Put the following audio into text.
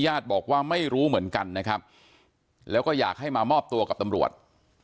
ญาติบอกว่าไม่รู้เหมือนกันนะครับแล้วก็อยากให้มามอบตัวกับตำรวจ